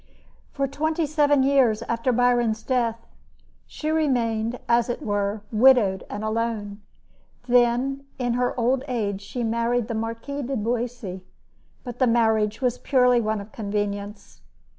For twenty seven years after Byron's death, she remained, as it were, widowed and alone. Then, in her old age, she married the Marquis de Boissy; but the marriage was purely one of convenience.